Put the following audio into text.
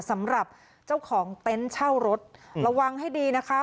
สำหรับเจ้าของเต็นต์เช่ารถระวังให้ดีนะคะ